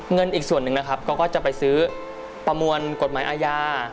เงินอีกส่วนหนึ่งนะครับเขาก็จะไปซื้อประมวลกฎหมายอาญา